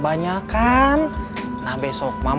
enggak aku pasti mau